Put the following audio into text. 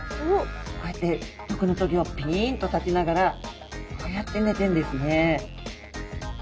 こうやって毒の棘をピンと立てながらこうやって寝てんですね。